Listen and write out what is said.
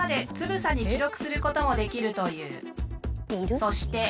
そして。